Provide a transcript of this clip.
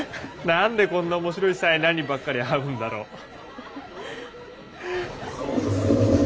何でこんな面白い災難にばっかり遭うんだろう。